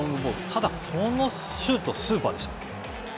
ただ、このシュート、スーパーでした。